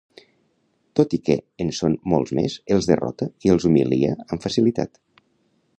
Tot i que en són molts més, els derrota i els humilia amb facilitat.